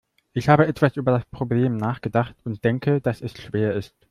Ich habe etwas über das Problem nachgedacht und denke, dass es schwer ist.